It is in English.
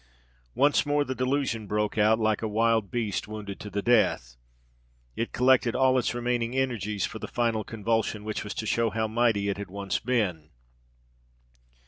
Once more the delusion broke out; like a wild beast wounded to the death, it collected all its remaining energies for the final convulsion, which was to shew how mighty it had once been.